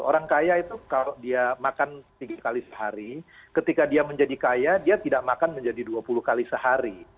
orang kaya itu kalau dia makan tiga kali sehari ketika dia menjadi kaya dia tidak makan menjadi dua puluh kali sehari